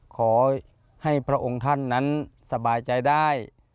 ขอให้พระองค์ท่านนั้นสบายใจได้